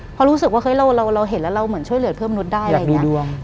เพราะรู้สึกว่าเฮ้ยเราเห็นแล้วเราเหมือนช่วยเหลือเพิ่มมนุษย์ได้อะไรอย่างนี้